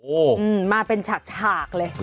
โอ้โหมาเป็นฉากเลย